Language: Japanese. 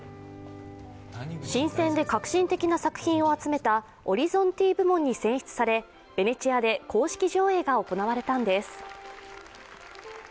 新鮮で革新的な作品を集めたオリゾンティ部門に選出されヴェネチアで公式上映が行われたんです。